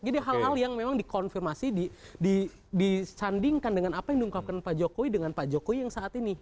jadi hal hal yang memang dikonfirmasi disandingkan dengan apa yang diucapkan pak jokowi dengan pak jokowi yang saat ini